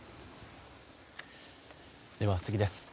では、次です。